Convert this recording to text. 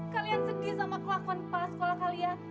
kalian sedih sama klakon kepala sekolah kalian